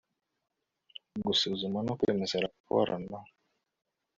gusuzuma no kwemeza raporo na